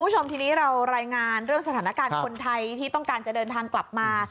คุณผู้ชมทีนี้เรารายงานเรื่องสถานการณ์คนไทยที่ต้องการจะเดินทางกลับมา